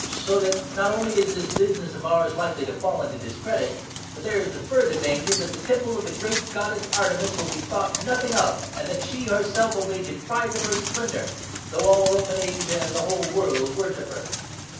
So that not only is this business of ours likely to fall into dis 27 credit, but there is the further danger that the Temple of the great Goddess Artemis will be thought nothing of, and that she herself will be deprived of her splendour — though all Roman Asia and the whole world worship her."